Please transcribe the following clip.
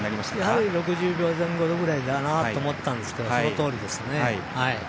やはり６０秒前後ぐらいだなと思ったんですがそのとおりでしたね。